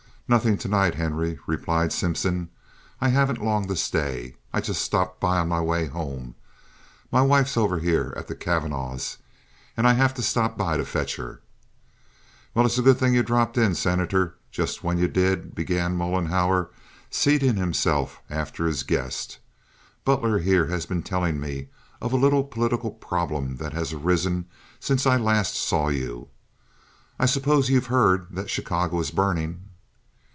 "Nothing to night, Henry," replied Simpson. "I haven't long to stay. I just stopped by on my way home. My wife's over here at the Cavanaghs', and I have to stop by to fetch her." "Well, it's a good thing you dropped in, Senator, just when you did," began Mollenhauer, seating himself after his guest. "Butler here has been telling me of a little political problem that has arisen since I last saw you. I suppose you've heard that Chicago is burning?"